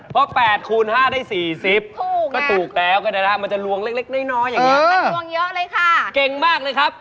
เพราะ๘คูณ๕ได้๔๐ถูกถูกแล้วกันนะฮะมันจะลวงเล็กเล็กน้อยอย่างนี้จะลวงเยอะเลยค่ะ